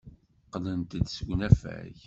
Qqlent-d seg unafag.